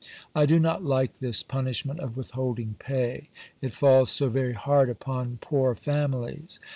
I do not like this punishment of withholding pay — it falls so very hard upon poor families.